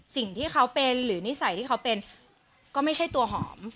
สิ่งที่เขาเป็นหรือนิสัยที่เขาเป็นก็ไม่ใช่ตัวหอม